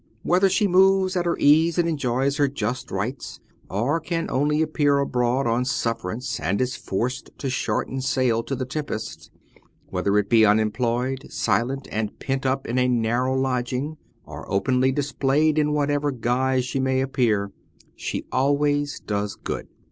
Whether she moves at her ease and enjoys her just rights, or can only appear abroad on sufferance and is forced to shorten sail to the tempest, whether it be unemployed, silent, and pent up in a narrow lodging, or openly displayed, in whatever guise she may appear, she always does good.